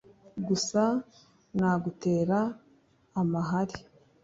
Gusa nagutera amahari